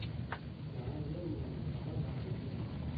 Яңы йыл менән, яңы бәхет менән!